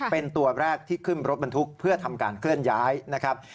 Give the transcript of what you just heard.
เป็นตัวแรกที่ขึ้นรถบรรทุกเพื่อทำการเคลื่อนย้ายนะครับ